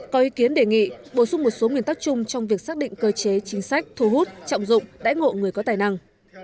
có ý kiến đề nghị bổ sung một số nguyên tắc chung trong việc xác định cơ chế chính sách thu hút trọng dụng đáy ngộ người có tài năng